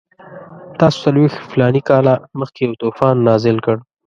تاسو څلوېښت فلاني کاله مخکې یو طوفان نازل کړ.